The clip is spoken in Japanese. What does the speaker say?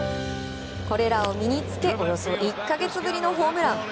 これらを身に着けおよそ１か月ぶりのホームラン。